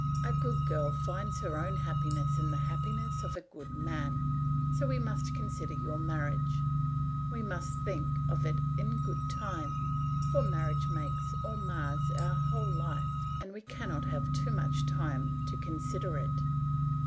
A good girl finds her own happiness in the happiness of a good man, so we must consider your marriage; we must think of it in good time, for marriage makes or mars our whole life, and we cannot have too much time to consider it.